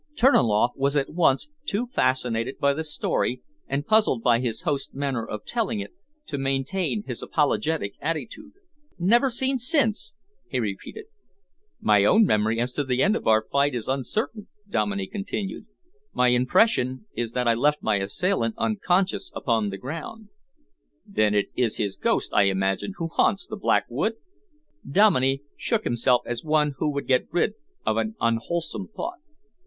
Terniloff was at once too fascinated by the story and puzzled by his host's manner of telling it to maintain his apologetic attitude. "Never seen since!" he repeated. "My own memory as to the end of our fight is uncertain," Dominey continued. "My impression is that I left my assailant unconscious upon the ground." "Then it is his ghost, I imagine, who haunts the Black Wood?" Dominey shook himself as one who would get rid of an unwholesome thought.